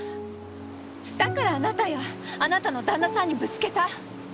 だからあなたやあなたの旦那さんにぶつけた。